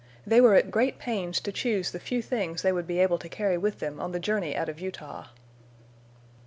They were at great pains to choose the few things they would be able to carry with them on the journey out of Utah.